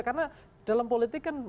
karena dalam politik kan banyak